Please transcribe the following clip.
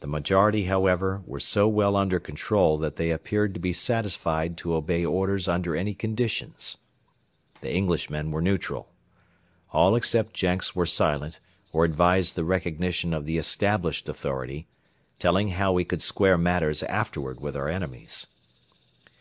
The majority, however, were so well under control that they appeared to be satisfied to obey orders under any conditions. The Englishmen were neutral. All except Jenks were silent or advised the recognition of the established authority, telling how we could square matters afterward with our enemies.